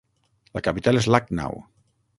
La capital és Lucknow.